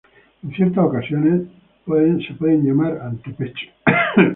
En ciertas ocasiones puede ser llamado antepecho.